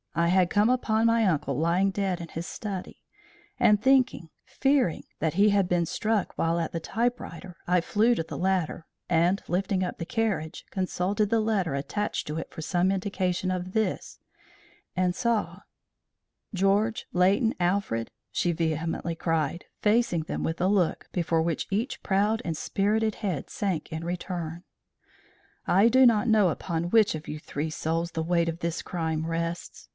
I had come upon my uncle lying dead in his study, and thinking, fearing, that he had been struck while at the typewriter, I flew to the latter, and, lifting up the carriage, consulted the letter attached to it for some indication of this, and saw George, Leighton, Alfred," she vehemently cried, facing them with a look before which each proud and spirited head sank in turn, "I do not know upon which of your three souls the weight of this crime rests.